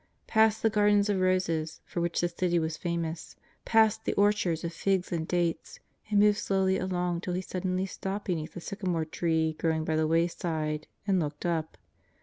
Past the gardens of roses, for which the city was famous, past the orchards of figs and dates, it moved slowly along till He suddenly stopped beneath a sycamore tree growing by the wayside, and looked up.